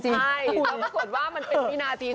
ใช่แล้วประบบทว่ามันเป็นวินาทีสุดท้าย